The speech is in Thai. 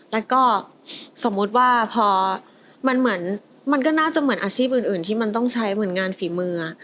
แล้วก็สมมุติว่าพอมันเหมือนมันก็น่าจะเหมือนอาชีพอื่นที่มันต้องใช้เหมือนงานฝีมือ